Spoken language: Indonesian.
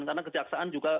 karena kejaksaan juga